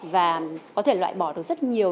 và có thể loại bỏ được rất nhiều